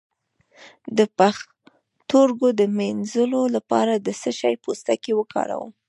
د پښتورګو د مینځلو لپاره د څه شي پوستکی وکاروم؟